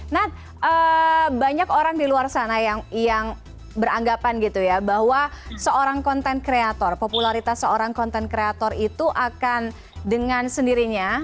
nah banyak orang di luar sana yang beranggapan gitu ya bahwa seorang konten kreator popularitas seorang konten kreator itu akan dengan sendirinya